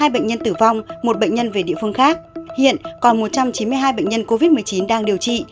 hai bệnh nhân tử vong một bệnh nhân về địa phương khác hiện còn một trăm chín mươi hai bệnh nhân covid một mươi chín đang điều trị